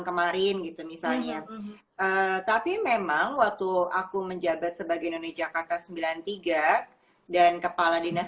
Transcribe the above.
kemarin gitu misalnya tapi memang waktu aku menjabat sebagai none jakarta sembilan puluh tiga dan kepala dinas